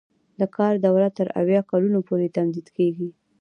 د کار دوره تر اویا کلونو پورې تمدید کیږي.